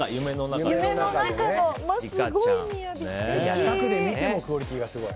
近くで見てもクオリティーがすごい。